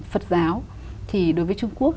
phật giáo thì đối với trung quốc